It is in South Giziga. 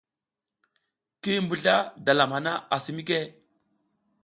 Ki mbuzla dalam hana asi mike ?